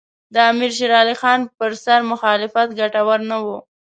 د امیر شېر علي خان پر سر مخالفت ګټور نه وو.